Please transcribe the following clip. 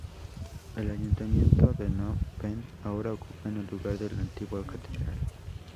El ayuntamiento de Nom Pen ahora ocupa en el lugar de la antigua catedral.